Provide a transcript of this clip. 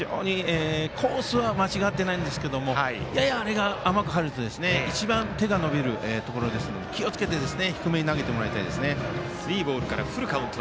コースは間違ってないんですがややあれが甘く入ると一番手が伸びるところですので気をつけて低めに投げてもらいたいですね。